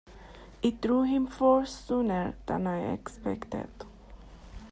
It drew him forth sooner than I expected.